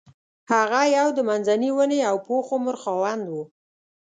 هغه یو د منځني ونې او پوخ عمر خاوند و.